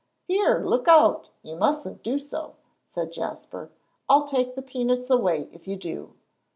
"Here, look out, you mustn't do so," said Jasper. "I'll take the peanuts away if you do."